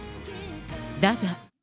だが。